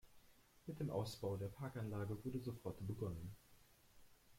Mit dem Ausbau der Parkanlage wurden sofort begonnen.